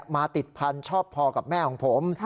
มาติดพันธุ์ชอบพอกับแม่ของผม